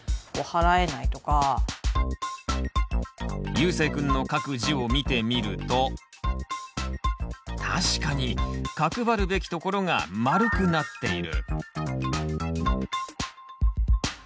ゆうせいくんの書く字を見てみると確かに角張るべきところが丸くなっている。